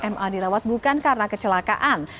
ma dirawat bukan karena kecelakaan